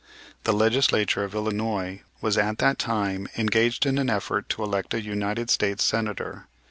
The Legislature of Illinois was at that time engaged in an effort to elect a United States Senator.